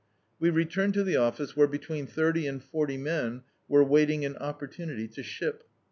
We returned to the office, where between thirty and forty men were waiting an opportunity to ship.